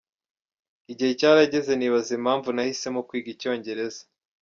Igihe cyarageze nibaza impamvu nahisemo kwiga Icyongereza.